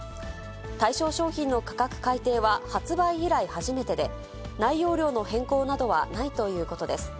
対象商品の価格改定は発売以来初めてで、内容量の変更などはないということです。